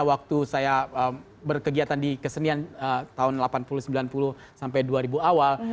waktu saya berkegiatan di kesenian tahun delapan puluh sembilan puluh sampai dua ribu awal